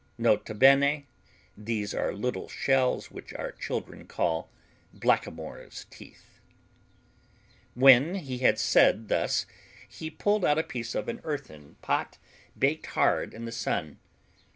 N.B. These are little shells which our children call blackamoors' teeth. When he had said thus he pulled out a piece of an earthen pot baked hard in the sun.